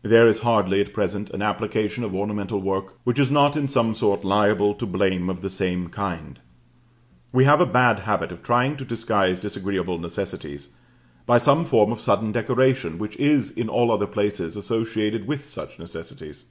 There is hardly, at present, an application of ornamental work, which is not in some sort liable to blame of the same kind. We have a bad habit of trying to disguise disagreeable necessities by some form of sudden decoration, which is, in all other places, associated with such necessities.